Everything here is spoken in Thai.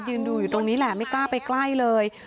ดูอยู่ตรงนี้แหละไม่กล้าไปใกล้เลย